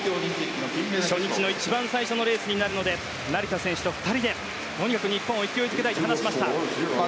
初日の一番最初のレースになるので成田選手と共にとにかく日本を勢いづけたいと話しました。